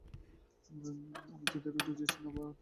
আমি তাদেরও দোষ দিচ্ছি না, আবার তামিমেরও কোনো ভুল খুঁজে পাইনি।